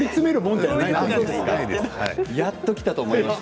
やっと来たと思いました。